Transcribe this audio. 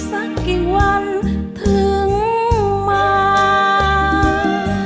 เธอจะโรคแห่งขอที๑๐๐๐๐บาท